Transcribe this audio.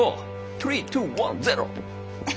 トゥリートゥワンゼロ！